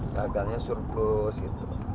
kagalnya surplus gitu